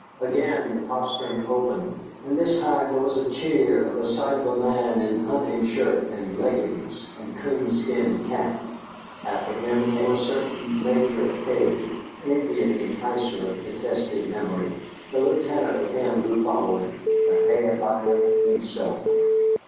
Again the postern opened, and this time there was a cheer at sight of a man in hunting shirt and leggings and coonskin cap. After him came a certain Major Hay, Indian enticer of detested memory, the lieutenant of him who followed the Hair Buyer himself.